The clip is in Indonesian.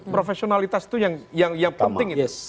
profesionalitas itu yang penting